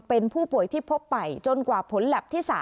เป็นผู้ป่วยที่พบใหม่จนกว่าผลแล็บที่๓